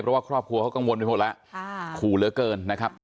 เพราะว่าครอบครัวเขากังวลไปหมดแล้วขู่เหลือเกินนะครับ